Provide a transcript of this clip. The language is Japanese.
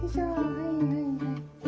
はいはいはい。